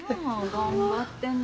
頑張ってる。